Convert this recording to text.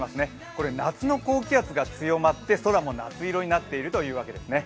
これ夏の高気圧が強まって空も夏色になっているというわけですね。